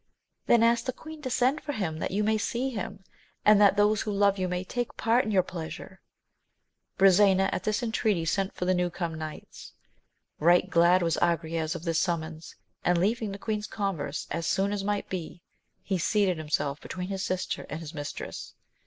Then ask the queen to send for him that you may see him, and that those who love you may take part in your pleasure. Biisena at this entreaty sent for the new come knights. Eight glad was Agrayes of this summons; and, leaving the queen's converse as soon as might be, he seated himself between his sister and his mistress.